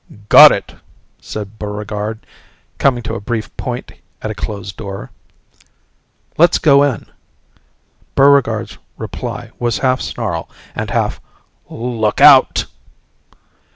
"Got it!" said Buregarde coming to a brief point at a closed door. "Let's go in!" Buregarde's reply was half snarl and half, "Look out!"